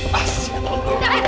mas ya allah